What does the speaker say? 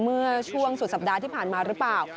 เมื่อช่วงสุดสัปดาห์ที่ผ่านมาหรือเปล่า